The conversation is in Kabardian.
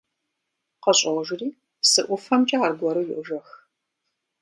КъыщӀожри, псы ӀуфэмкӀэ аргуэру йожэх.